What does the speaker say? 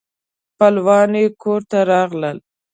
خپلوان یې کور ته راغلل.